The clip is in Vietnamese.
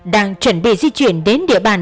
đang chuẩn bị di chuyển đến địa bàn